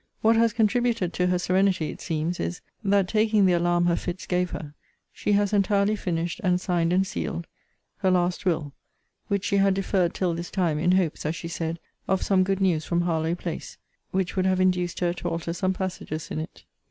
What has contributed to her serenity, it seems, is, that taking the alarm her fits gave her, she has entirely finished, and signed and sealed, her last will: which she had deferred till this time, in hopes, as she said, of some good news from Harlowe place; which would have induced her to alter some passages in it.